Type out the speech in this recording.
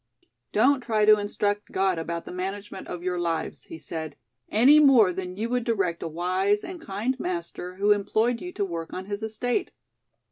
"Don't try to instruct God about the management of your lives," he said, "any more than you would direct a wise and kind master who employed you to work on his estate.